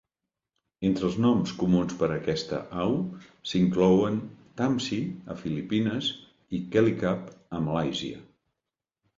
Entre els noms comuns per a aquesta au s'inclouen "tamsi" a Filipines i "kelicap" a Malàisia.